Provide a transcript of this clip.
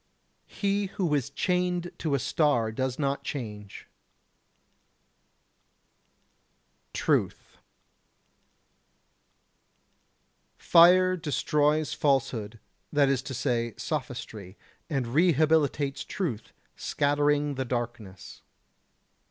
He who is chained to a star does not change. [Sidenote: Truth] 112. Fire destroys falsehood, that is to say, sophistry, and rehabilitates truth, scattering the darkness.